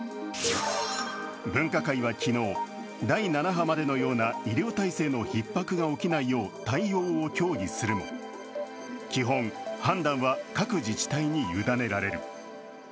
分科会は昨日、第７波までのような医療体制のひっ迫が起きないよう対応を協議するも基本判断は各自治体に委ねられる。